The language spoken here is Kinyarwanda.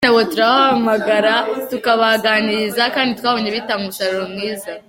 Bene abo turabahamagara tukabaganiriza kandi twabonye bitanga umusaruro mwiza.